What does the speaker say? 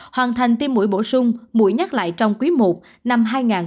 hoàn thành tiêm mũi bổ sung mũi nhắc lại trong quý một năm hai nghìn hai mươi hai